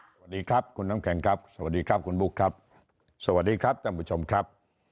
สวัสดีครับคุณน้ำแข็งครับสวัสดีครับคุณบุ๊คครับสวัสดีครับท่านผู้ชมครับ